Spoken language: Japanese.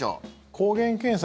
抗原検査